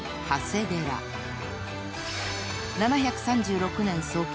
［７３６年創建。